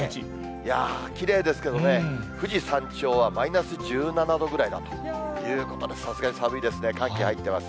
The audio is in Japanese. いやー、きれいですけどね、富士山頂はマイナス１７度ぐらいだということで、さすがに寒いですね、寒気入ってます。